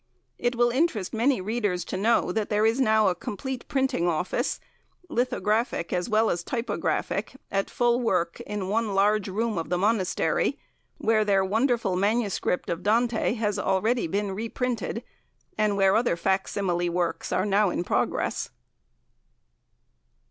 It will interest many readers to know that there is now a complete printing office, lithographic as well as typographic, at full work in one large room of the Monastery, where their wonderful MS. of Dante has been already reprinted, and where other fac simile works are now in progress.